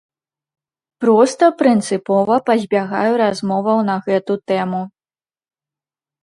Проста прынцыпова пазбягаю размоваў на гэту тэму.